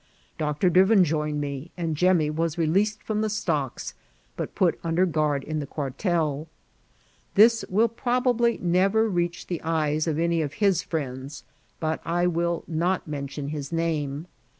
Doctor Drivin joined me, and Jemmy was released from tlKe stocks, but put under guard in the quarteL This will probably nev^ reach the eyes of any of his friends, but I will not mention his name.